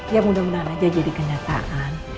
ya mudah mudahan aja jadi kenyataan